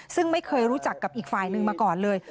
ซึ่งไม่เคยรู้จักกับอีกฝ่ายหนึ่งมาก่อนเลย